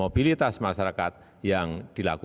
dengan pelaksanaan yang ekstra hati hati sebagai berikut